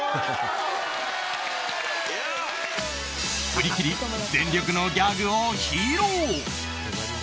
振り切り、全力のギャグを披露。